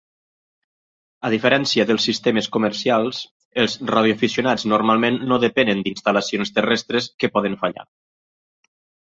A diferència dels sistemes comercials, els radioaficionats normalment no depenen d'instal·lacions terrestres que poden fallar.